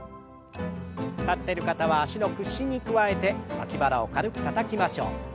立ってる方は脚の屈伸に加えて脇腹を軽くたたきましょう。